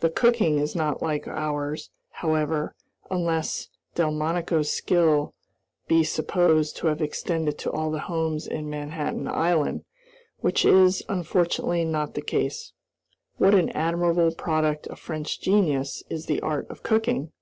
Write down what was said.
The cooking is not like ours, however, unless Delmonico's skill be supposed to have extended to all the homes in Manhattan Island, which is, unfortunately, not the case. What an admirable product of French genius is the art of cooking!